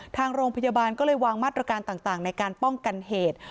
ทางโรงพยาบาลก็เลยวางมาตรการต่างในการป้องกันเหตุ